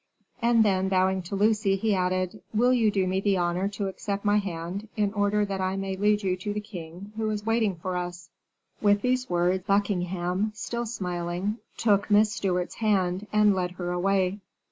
And then, bowing to Lucy, he added, "Will you do me the honor to accept my hand, in order that I may lead you to the king, who is waiting for us?" With these words, Buckingham, still smiling, took Miss Stewart's hand, and led her away.